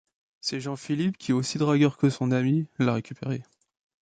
C'est Jean-Philippe qui aussi dragueur que son ami, l'a récupéré.